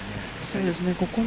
そうですね。